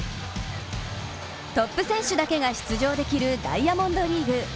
トップ選手だけが出場できるダイヤモンドリーグ。